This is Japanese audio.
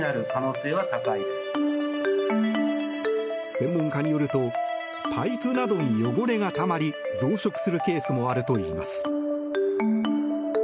専門家によるとパイプなどに汚れがたまり増殖するケースもあるといいます。